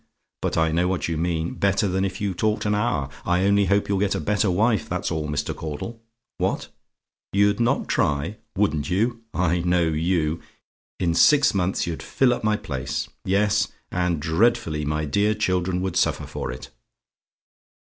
"But I know what you mean, better than if you talked an hour. I only hope you'll get a better wife, that's all, Mr. Caudle. What? "YOU'D NOT TRY? "Wouldn't you? I know you. In six months you'd fill up my place; yes, and dreadfully my dear children would suffer for it.